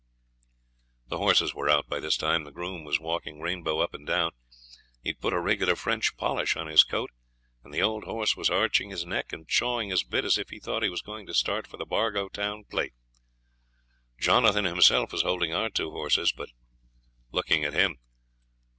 The horses were out by this time; the groom was walking Rainbow up and down; he'd put a regular French polish on his coat, and the old horse was arching his neck and chawing his bit as if he thought he was going to start for the Bargo Town Plate. Jonathan himself was holding our two horses, but looking at him.